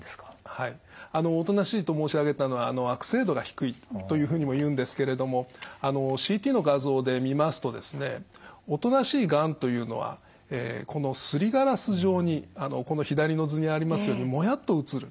はいおとなしいと申し上げたのは悪性度が低いというふうにもいうんですけれどもＣＴの画像で見ますとですねおとなしいがんというのはこのすりガラス状にこの左の図にありますようにもやっと写る。